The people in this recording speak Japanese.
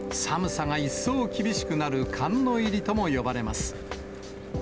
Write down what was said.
寒さが一層厳しくなる寒の入りとも呼ばれます。